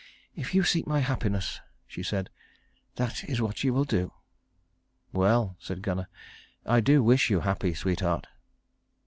"If you seek my happiness," she said, "that is what you will do." "Well," said Gunnar, "I do wish you happy, sweetheart."